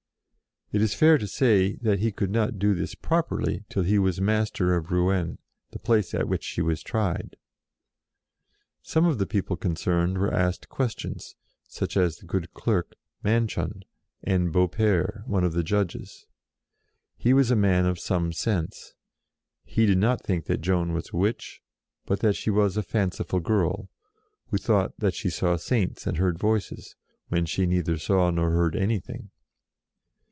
It is fair n6 JOAN OF ARC to say that he could not do this properly till he was master of Rouen, the place at which she was tried. Some of the people concerned were asked questions, such as the good clerk, Manchon, and Beaupere, one of the Judges. He was a man of some sense; he did not think that Joan was a witch, but that she was a fanciful girl, who thought that she saw Saints and heard Voices, when she neither saw nor heard anything.